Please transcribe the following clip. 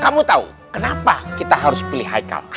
kamu tahu kenapa kita harus pilih haikal